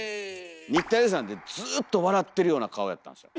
新田恵利さんってずっと笑ってるような顔やったんですよ。